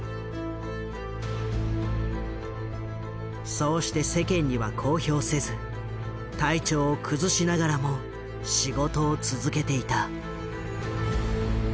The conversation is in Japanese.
そうして世間には公表せず体調を崩しながらも仕事を続けていた。